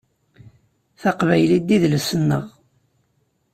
Taqbaylit d idles-nneɣ.